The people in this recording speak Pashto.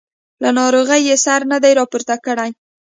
له ناروغۍ یې سر نه دی راپورته کړی.